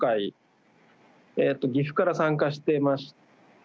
岐阜から参加してまして。